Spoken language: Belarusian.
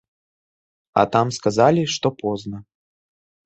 А там сказалі, што позна.